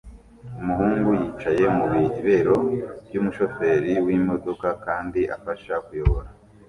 Umuhungu yicaye mu bibero by'umushoferi w'imodoka kandi afasha kuyobora